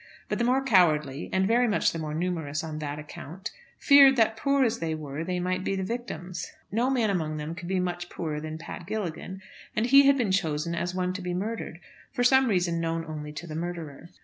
But the more cowardly, and very much the more numerous on that account, feared that, poor as they were, they might be the victims. No man among them could be much poorer than Pat Gilligan, and he had been chosen as one to be murdered, for some reason known only to the murderer.